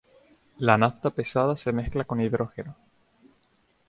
La nafta pesada se mezcla con hidrógeno.